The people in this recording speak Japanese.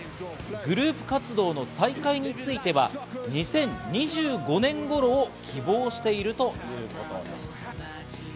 グループ活動の再開については２０２５年頃を希望しているということです。